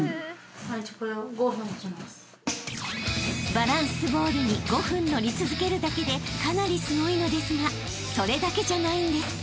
［バランスボールに５分乗り続けるだけでかなりすごいのですがそれだけじゃないんです］